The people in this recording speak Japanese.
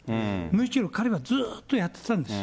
むしろ彼はずっとやってたんです。